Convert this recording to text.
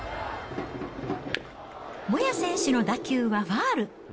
モヤ選手の打球はファウル。